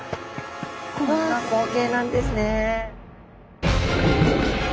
こんな光景なんですね。